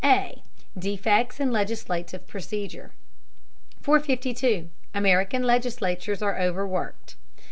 A. DEFECTS IN LEGISLATIVE PROCEDURE 452. AMERICAN LEGISLATURES ARE OVERWORKED.